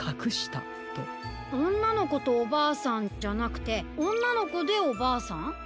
おんなのことおばあさんじゃなくておんなのこでおばあさん？